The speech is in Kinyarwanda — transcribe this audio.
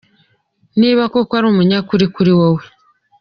Niba koko ari umunyakuri kuri wowe.